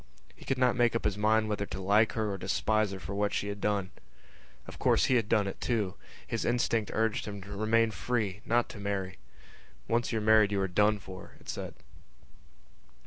He could not make up his mind whether to like her or despise her for what she had done. Of course he had done it too. His instinct urged him to remain free, not to marry. Once you are married you are done for, it said.